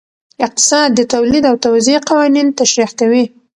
اقتصاد د تولید او توزیع قوانین تشریح کوي.